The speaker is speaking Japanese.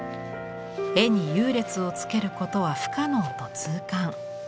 絵に優劣をつけることは不可能と痛感。